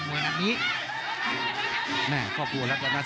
โหโหโหโหโหโหโหโหโห